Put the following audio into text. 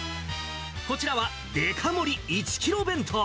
こちらはデカ盛り１キロ弁当。